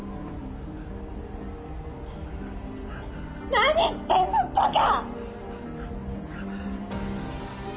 何してんのバカ！